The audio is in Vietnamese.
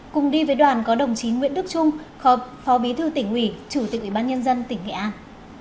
cùng đi với đoàn có đồng chí nguyễn đức trung khớp phó bí thư tỉnh ủy chủ tịch ủy ban nhân dân tỉnh nghệ an